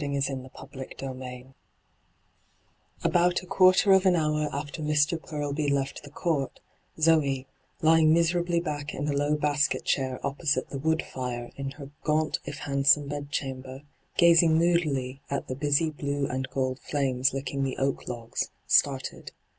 hyGoogIc CHAPTER VIII About a quarter of an hour after Mr. Purlby left the Court, Zee, lying miserably back in a low basket chair opposite the wood fire in her gaunt if handsome bedchamber, gazing moodily at the busy blue and golden flames licking the oak logs, started.